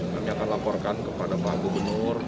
kami akan laporkan kepada pak gubernur